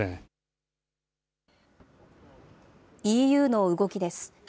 ＥＵの動きです。